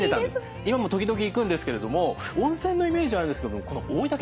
今も時々行くんですけれども温泉のイメージはあるんですけれどもこの大分県